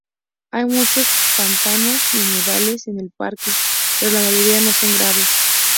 Hay muchos pantanos y humedales en el parque, pero la mayoría no son grandes.